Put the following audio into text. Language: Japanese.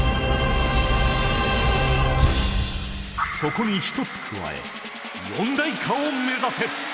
そこに１つ加え四大化を目指せ！